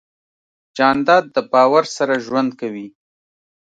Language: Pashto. جانداد د باور سره ژوند کوي.